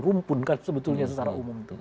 kumpulkan sebetulnya secara umum